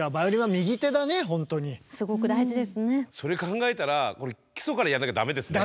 それ考えたらこれ基礎からやんなきゃダメですね。